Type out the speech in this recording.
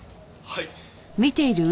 はい。